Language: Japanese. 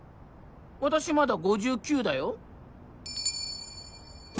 私まだ５９だよ。